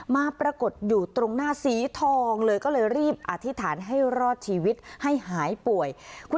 มาปรากฏอยู่ตรงหน้าสีทองเลย